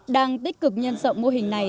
đang tích cực nhân dọng mô hình này